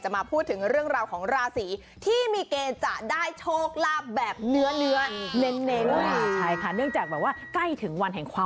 สวัสดีค่ะหมอก่ายค่ะ